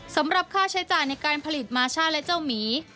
สำหรับค่าใช้จ่ายในการผลิตมาช่าและเจ้าหมี